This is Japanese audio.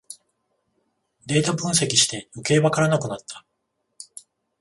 データ分析してよけいわからなくなった